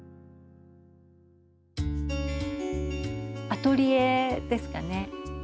アトリエですかね。